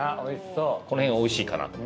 この辺おいしいかなと。